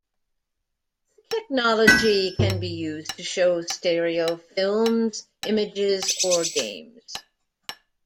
The technology can be used to show stereo films, images or games.